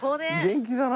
元気だな。